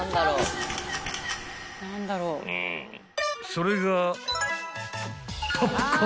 ［それが］